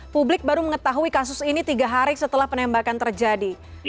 publik baru mengetahui kasus ini tiga hari setelah penembakan terjadi